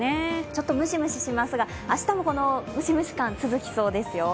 ちょっとムシムシしますが、明日もこのムシムシ感続きそうですよ。